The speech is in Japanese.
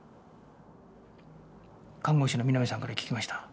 看護師の南さんから聞きました。